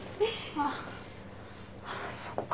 あそっか。